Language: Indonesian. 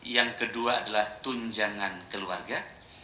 yang kedua adalah tunjangan keluarga